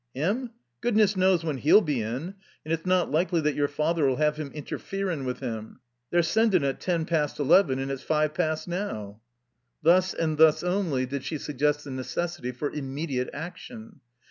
"Him? Goodness knows when he'll be in. And it's not likely that y'r father 'U have him interferin* with him. They're sendin' at ten past eleven, and it's five past now." Thus and thus only did she suggest the necessity for immediate action.